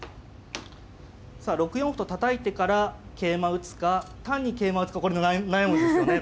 さあ６四歩とたたいてから桂馬打つか単に桂馬打つか悩むんですよね